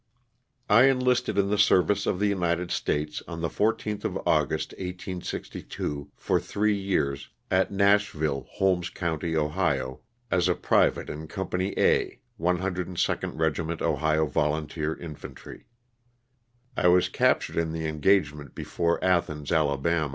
T ENLISTED in the service of the United States on ^ the 14th of August, 1862, for three years, at Nash ville, Holmes county, Ohio, as a private in Company A, 102nd Regiment Ohio Volunteer Infantry. I was captured in the engagement before Athens, Ala.